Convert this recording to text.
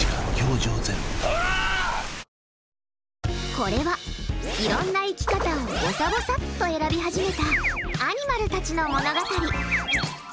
これは、いろんな生き方をぼさぼさっと選び始めたアニマルたちの物語。